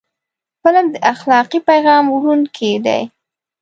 فلم د اخلاقي پیغام وړونکی دی